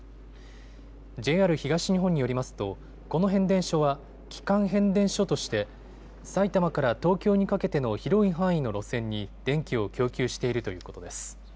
ＪＲ東日本によりますとこの変電所は基幹変電所として埼玉から東京にかけての広い範囲の路線に電気を供給しているということです。